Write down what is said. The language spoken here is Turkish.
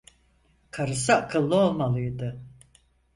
Karısı akıllı olmalıydı.